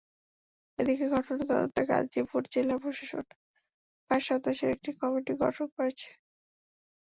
এদিকে ঘটনার তদন্তে গাজীপুর জেলা প্রশাসন পাঁচ সদস্যের একটি কমিটি গঠন করেছে।